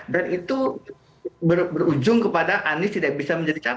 dan itu berujung kepada anies tidak bisa menjadi capres